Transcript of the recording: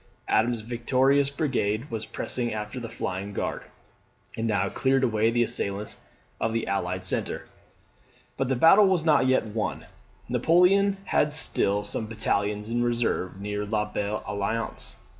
Adams's victorious brigade was pressing after the flying Guard, and now cleared away the assailants of the allied centre. But the battle was not yet won. Napoleon had still some battalions in reserve near La Belle Alliance.